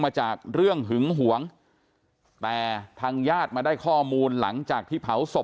มาจากเรื่องหึงหวงแต่ทางญาติมาได้ข้อมูลหลังจากที่เผาศพ